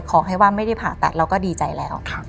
ขอให้ว่าไม่ได้ผ่าตัดเราก็ดีใจแล้ว